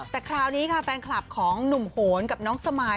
แต่คราวนี้ค่ะแฟนคลับของหนุ่มโหนกับน้องสมาย